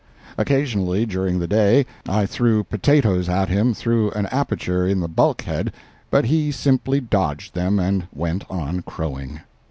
Occasionally, during the day, I threw potatoes at him through an aperture in the bulkhead, but he simply dodged them and went on crowing.